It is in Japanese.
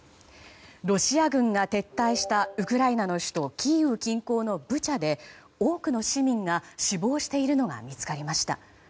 ロシア軍が撤退したウクライナの首都キーウ近郊のブチャで多くの市民が死亡しているのが見つかりました。